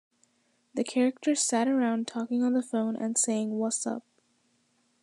The characters sat around talking on the phone and saying whassup?